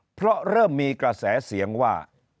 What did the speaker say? เพราะเริ่มมีกระแสเสียงว่า